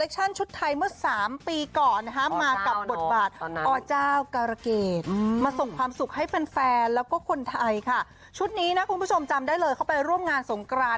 ชุดนี้นะคุณผู้ชมจำได้เลยเขาไปร่วมงานสงกราน